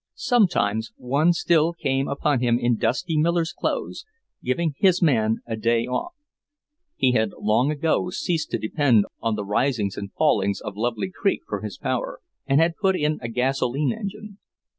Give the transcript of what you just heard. Sometimes one still came upon him in dusty miller's clothes, giving his man a day off. He had long ago ceased to depend on the risings and fallings of Lovely Creek for his power, and had put in a gasoline engine.